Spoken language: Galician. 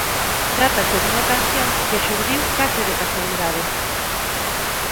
"Trátase dunha canción que xurdiu case de casualidade".